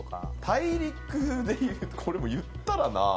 大陸でいうとこれもう言ったらなあ。